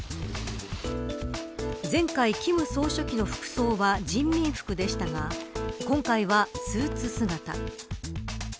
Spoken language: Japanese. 前回、金総書記の服装は人民服でしたが今回はスーツ姿。